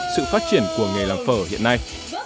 sự phát triển của nghề làm phở hiện nay